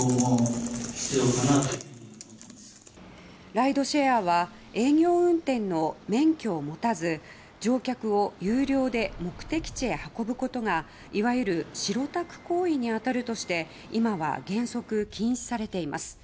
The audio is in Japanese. ライドシェアは営業運転の免許を持たず乗客を有料で目的地へ運ぶことがいわゆる白タク行為に当たるとして今は原則禁止されています。